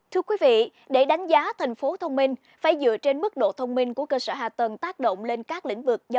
thưa quý vị để đánh giá thành phố thông minh phải dựa trên mức độ thông minh của cơ sở hạ tầng tác động lên các lĩnh vực